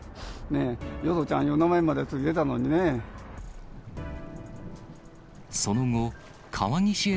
淀ちゃんいう名前まで付いてたのにね。